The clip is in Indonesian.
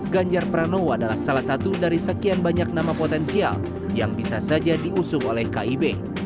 ganjar pranowo adalah salah satu dari sekian banyak nama potensial yang bisa saja diusung oleh kib